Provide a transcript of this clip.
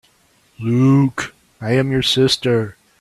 Luke, I am your sister!